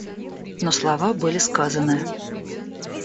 Но слова были сказаны.